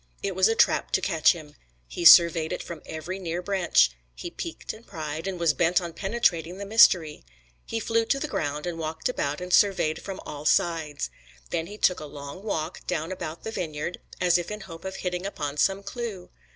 It was a trap to catch him. He surveyed it from every near branch. He peeked and pried, and was bent on penetrating the mystery. He flew to the ground, and walked about and surveyed it from all sides. Then he took a long walk down about the vineyard as if in hope of hitting upon some clew.